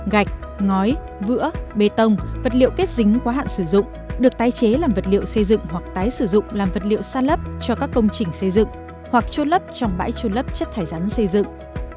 gạch ngói vữa bê tông vật liệu kết dính quá hạn sử dụng được tái chế làm vật liệu xây dựng hoặc tái sử dụng làm vật liệu sa lấp cho các công trình xây dựng hoặc trôn lấp trong bãi trôn lấp chất thải rắn xây dựng